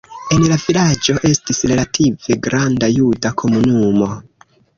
En la vilaĝo estis relative granda juda komunumo.